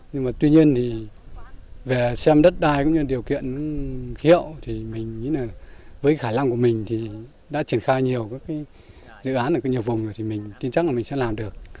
nhưng mà tuy nhiên thì về xem đất đai cũng như điều kiện hiệu thì mình nghĩ là với khả năng của mình thì đã triển khai nhiều dự án ở nhiều vùng rồi thì mình tin chắc là mình sẽ làm được